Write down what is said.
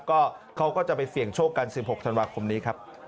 ก็เขาก็จะไปเสี่ยงโชคกัน๑๖ธันวาคมนี้ครับ